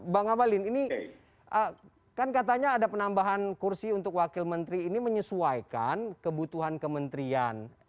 bang abalin ini kan katanya ada penambahan kursi untuk wakil menteri ini menyesuaikan kebutuhan kementerian